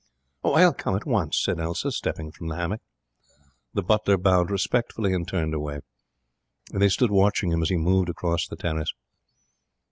'I'll come at once,' said Elsa, stepping from the hammock. The butler bowed respectfully and turned away. They stood watching him as he moved across the terrace.